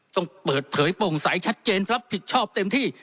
ต้องเปิดเผยโปร่งใสชัดเจนรับผิดชอบเต็มที่